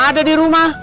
ada di rumah